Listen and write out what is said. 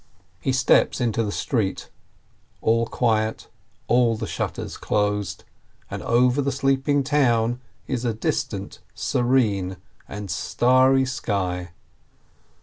He steps into the street — all quiet, all the shutters closed, and over the sleeping town is a distant, serene, and starry sky.